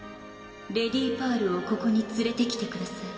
レディパールをここに連れてきてください。